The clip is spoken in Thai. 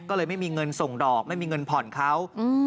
ก็เลยไม่มีเงินส่งดอกไม่มีเงินผ่อนเขา